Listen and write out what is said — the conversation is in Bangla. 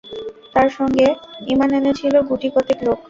তার সঙ্গে ঈমান এনেছিল গুটি কতেক লোক।